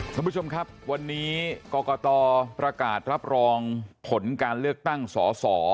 ท่านผู้ชมครับวันนี้กรกตประกาศรับรองผลการเลือกตั้งสอสอ